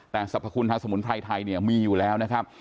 แต่สรรพคุณทางสมุนไพรไทยเนี่ยมีอยู่แล้วนะครับ